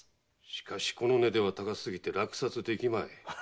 しかしこの値では高すぎて落札できまい。